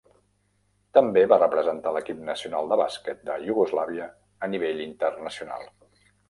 També va representar l'equip nacional de bàsquet de Iugoslàvia a nivell internacional.